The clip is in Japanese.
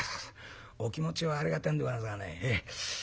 お気持ちはありがてえんでござんすがね